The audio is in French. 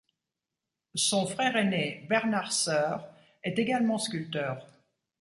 Son frère aîné Bernard Seurre est également sculpteur.